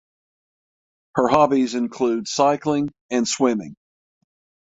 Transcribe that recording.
Her hobbies include cycling and swimming.